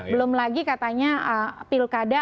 belum lagi katanya pilkada